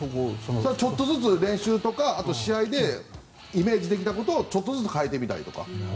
ちょっとずつ練習とか試合でイメージできたことをちょっとずつ変えてみたりとか。